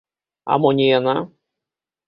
А мо не яна?